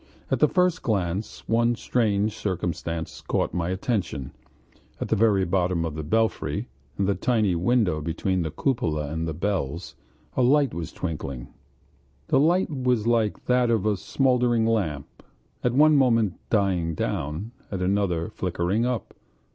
At the first glance one strange circumstance caught my attention: at the very top of the belfry, in the tiny window between the cupola and the bells, a light was twinkling. This light was like that of a smoldering lamp, at one moment dying down, at another flickering up.